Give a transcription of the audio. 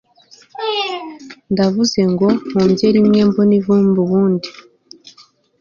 ndavuze ngo mpubye rimwe mbone ivumbi ubundi